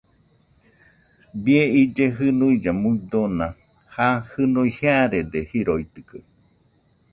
Bie ille junuilla muidona, ja jɨnui jearede jiroitɨkaɨ